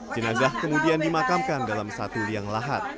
jenazah kemudian dimakamkan dalam satu liang lahat